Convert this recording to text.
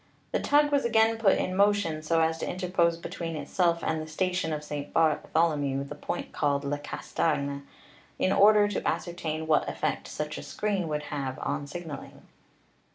The tug was again put in mo tion, so as to interpose between itself and the station at St. Bartholomew the point called Le Castagne, in order to ascertain what effect such a screen would have on sig naling.